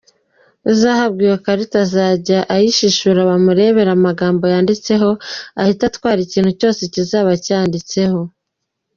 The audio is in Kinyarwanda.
Uzahabwa iyo karita, azajya ayishishura, bamurebere amagambo yanditseho, ahite atwara ikintu cyose kizaba cyanditsweho.